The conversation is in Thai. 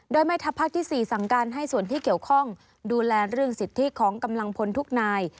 โดยแม่ทัพภาคที่๔สั่งการให้ส่วนที่เกี่ยวข้องดูแลเรื่องสิทธิของกำลังพลทุกนาย